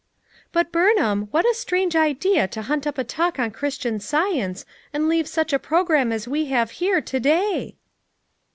"But, Burnham, what a strange idea to hunt up a talk on Christian Science and leave such a program as we have here to day!"